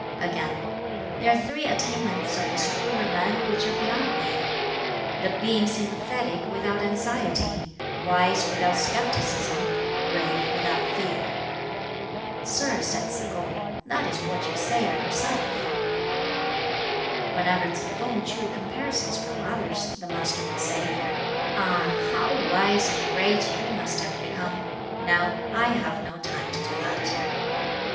Again, "There are three attainments of the superior man which are beyond me the being sympathetic without anxiety, wise without scepticism, brave without fear." "Sir," said Tsz kung, "that is what you say of yourself." Whenever Tsz kung drew comparisons from others, the Master would say, "Ah, how wise and great you must have become! Now I have no time to do that."